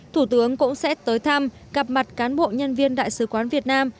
thủ tướng cũng sẽ tới thăm gặp mặt cán bộ nhân viên đại sứ quán việt nam